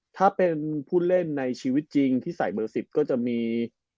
ถ้าเป็นผู้เล่นในชีวิตจริงที่ใส่เบอร์๑๐ก็จะมี